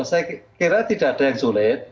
saya kira tidak ada yang sulit